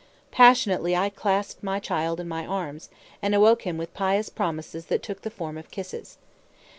Passionately I clasped my child in my arms, and awoke him with pious promises that took the form of kisses.